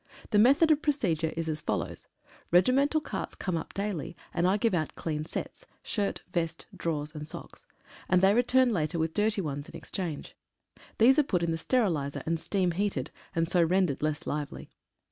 The method of procedure is as follows — Regimental carts come up daily, and I give out clean sets — shirt, vest, drawers and socks — and they return later with dirty ones in exchange. These are put in the sterilizer, and steam heated, and so rendered less lively.